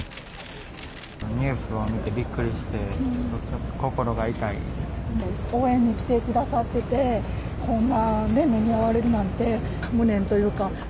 ニュースを見てびっくりして、講演に来てくださってて、こんな目に遭われるなんて、無念というか。